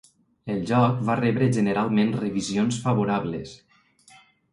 El joc va rebre generalment revisions favorables.